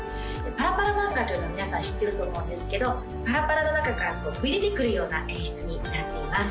パラパラ漫画というのは皆さん知ってると思うんですけどパラパラの中からこう飛び出てくるような演出になっています